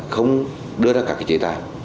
không đưa ra các chế tài